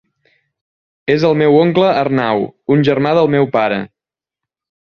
És el meu oncle Arnau, un germà del meu pare.